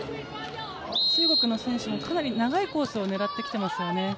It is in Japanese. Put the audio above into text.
中国の選手もかなり長いコースを狙ってきていますよね。